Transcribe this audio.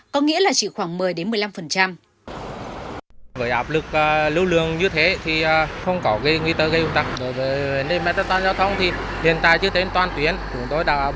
có nghĩa là chỉ khoảng một mươi một mươi năm